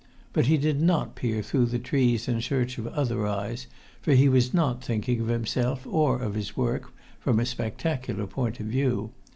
But he did not peer through the trees in search of other eyes, for he was not thinking of himself or of his work from a spectacular point of view.